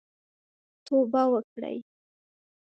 توبه وکړئ